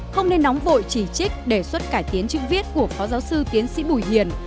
không nên nóng vội chỉ trích đề xuất cải tiến chữ viết của phó giáo sư tiến sĩ bùi hiền